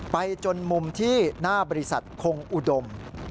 จนมุมที่หน้าบริษัทคงอุดม